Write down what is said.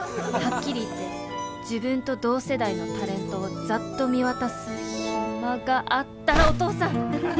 はっきり言って自分と同世代のタレントをざっと見渡す暇があったらお父さん。